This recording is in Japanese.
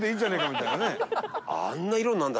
みたいなね。